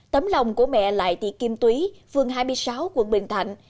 tấm lòng của mẹ lại thì kim túy phương hai mươi sáu quận bình thạnh